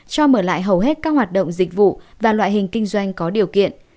cho mở lại hầu hết các hoạt động dịch vụ và loại hình kinh doanh có điều kiện